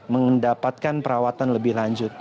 mendapatkan perawatan lebih lanjut